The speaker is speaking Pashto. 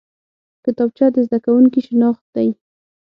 کتابچه د زده کوونکي شناخت دی